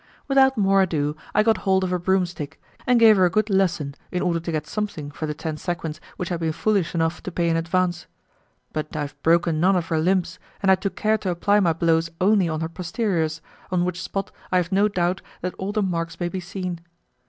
Without more ado, I got hold of a broomstick, and gave her a good lesson, in order to get something for the ten sequins which I had been foolish enough to pay in advance. But I have broken none of her limbs, and I took care to apply my blows only on her posteriors, on which spot I have no doubt that all the marks may be seen.